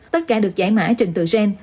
tất cả được giải mãi trình tựu gen